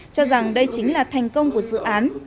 cho rằng đây chính là thành công của dự án